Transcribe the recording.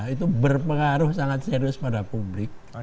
itu berpengaruh sangat serius pada publik